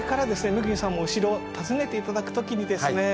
恵さんもお城を訪ねて頂く時にですね